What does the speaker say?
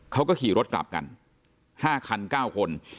เขาก็ขี่รถกลับกัน๕คัน๙คน